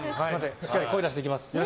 しっかり声出していきます。